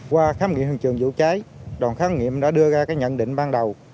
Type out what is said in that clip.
qua khám nghiệm hiện trường vụ cháy đoàn khám nghiệm đã đưa ra cái nhận định ban đầu